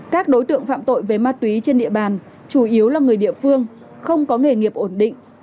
các đối tượng phạm tội về ma túy trên địa bàn chủ yếu là người địa phương không có nghề nghiệp ổn định